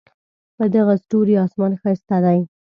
په دغه ستوري آسمان ښایسته دی